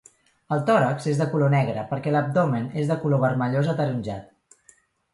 El tòrax és de color negre perquè l'abdomen és de color vermellós ataronjat.